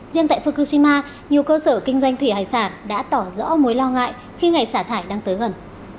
riêng tại fukushima nhiều cơ sở kinh doanh thủy hải sản đã tỏ rõ mối lo ngại khi ngày xả thải đang tới gần